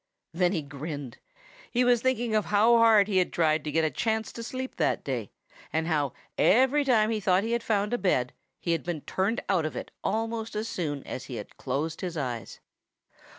Then he grinned. He was thinking of how hard he had tried to get a chance to sleep that day, and how every time he thought he had found a bed, he had been turned out of it almost as soon as he had closed his eyes.